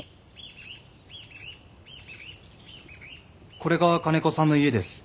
これが金子さんの家です。